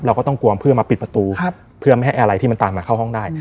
เราก็ต้องกวงเพื่อมาปิดประตูเพื่อไม่ให้อะไรที่มันตามมาเข้าห้องได้